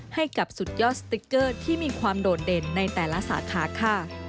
ให้กับสุดยอดสติ๊กเกอร์ที่มีความโดดเด่นในแต่ละสาขาค่ะ